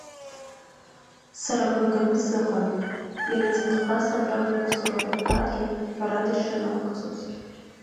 Сара агәра ганы сыҟан, иара ицымхәрас абра бықәзароуп рҳәаргьы, жәаҳәарада ишыналыгӡоз.